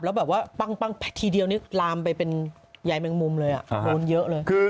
แล้วแบบว่าปั้งทีเดียวนี่ลามไปเป็นยายแมงมุมเลยโดนเยอะเลย